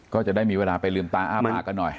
ก็จะได้มีเวลาไปลืมตาอ้าปากกันหน่อย